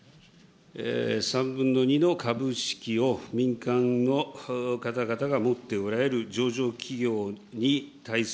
３分の２の株式を民間の方々が持っておられる上場企業に対す